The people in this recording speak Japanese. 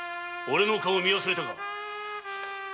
オレの顔を見忘れたか。